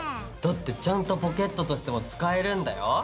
だってちゃんとポケットとしても使えるんだよ。